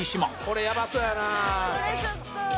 「これちょっと」